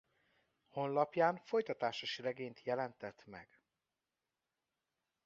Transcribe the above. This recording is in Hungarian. Honlapján folytatásos regényt jelentet meg.